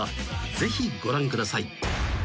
ぜひご覧ください］